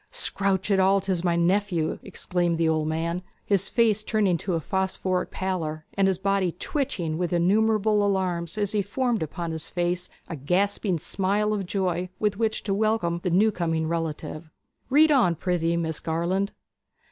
'Scrounch it all 'tis my nephew!' exclaimed the old man, his face turning to a phosphoric pallor, and his body twitching with innumerable alarms as he formed upon his face a gasping smile of joy, with which to welcome the new coming relative. 'Read on, prithee, Miss Garland.'